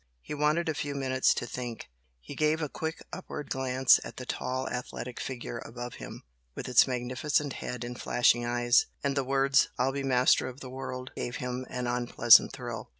He wanted a few minutes to think. He gave a quick upward glance at the tall athletic figure above him, with its magnificent head and flashing eyes, and the words "I'll be master of the world" gave him an unpleasant thrill.